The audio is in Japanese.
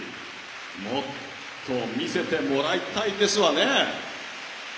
もっと見せてもらいたいですよね！